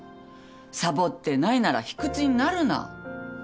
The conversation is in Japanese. サボってないなら卑屈になるな。